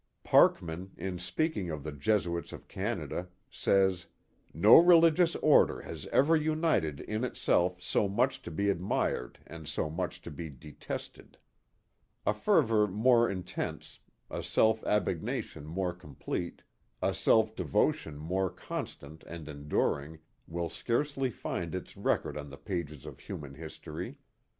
Parkman, in speaking of the Jesuits of Canada, says: No religious order has ever united in itself so much to be admired and so much to be detested. A fervor more Journal of Arent Van Curler 39 intense, a self abnegation more complete, a self devotion more constant and enduring, will scarcely find its record on the page of human history."